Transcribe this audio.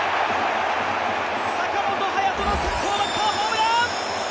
坂本勇人の先頭バッターホームラン！